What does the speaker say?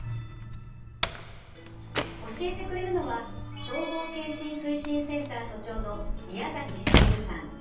教えてくれるのは総合健診推進センター所長の宮崎滋さん。